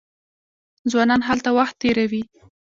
ځوانان هلته وخت تیروي.